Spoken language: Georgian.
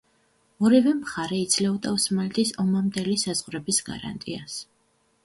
ორივე მხარე იძლეოდა ოსმალეთის ომამდელი საზღვრების გარანტიას.